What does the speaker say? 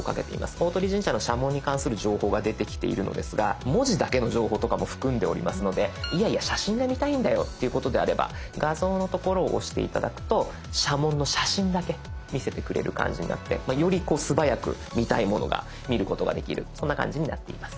大鳥神社の社紋に関する情報が出てきているのですが文字だけの情報とかも含んでおりますのでいやいや写真が見たいんだよということであれば「画像」の所を押して頂くと社紋の写真だけ見せてくれる感じになってより素早く見たいものが見ることができるそんな感じになっています。